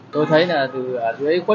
tôi thấy là từ dưới khuất